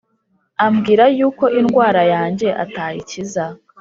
ambwira yuko indwara yanjye atayikiza